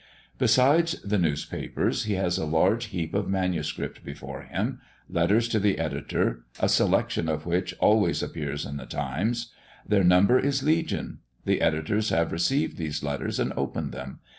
Besides the newspapers, he has a large heap of manuscript before him, letters to the Editor, a selection of which always appears in the Times. Their number is legion. The editors have received these letters and opened them.